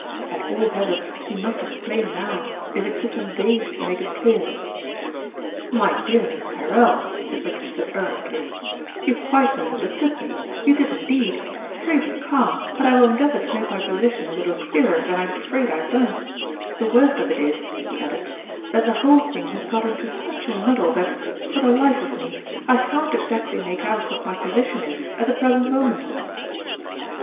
At all hazards, he must explain now, if it took him days to make it clear. ,fourtl) Cheque. 91 " My dear Miss Tyrrell," he protested earn estly, " you quite misunderstood me you did indeed ! Pray be calm, and I will endeavor to make my position a little clearer than I'm afraid I have done. The worst of it is," he added, " that the whole thing has got into such a muddle that, for the life of me, I can't exactly make out what my position is at the present moment